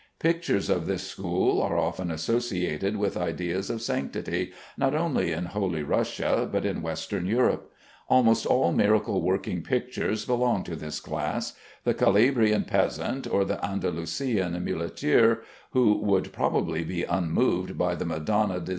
Pictures of this school are often associated with ideas of sanctity, not only in holy Russia but in Western Europe. Almost all miracle working pictures belong to this class. The Calabrian peasant, or the Andalusian muleteer, who would probably be unmoved by the Madonna di S.